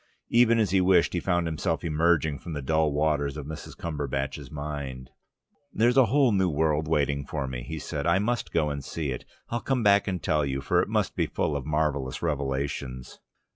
Even as he wished, he found himself emerging from the dull waters of Mrs. Cumberbatch's mind. "There's the whole new world waiting for me," he said. "I must go and see it. I'll come back and tell you, for it must be full of marvellous revelations..."